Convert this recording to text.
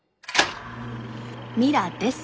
ミラです。